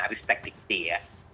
riset tekniknya ya